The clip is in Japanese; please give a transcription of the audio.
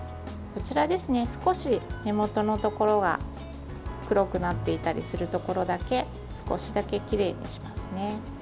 少し根元のところは黒くなっていたりするところだけ少しだけきれいにしますね。